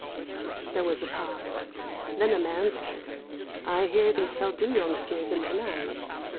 There was a pause. Then a man said, "I hear they sell dûyong's tears in Penang."